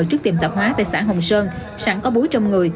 trước tiềm tạo hóa tại xã hồng sơn sẵn có búi trong người